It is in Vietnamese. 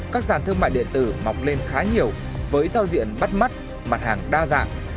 các sàn thương mại điện tử mọc lên khá nhiều với giao diện bắt mắt mặt hàng đa dạng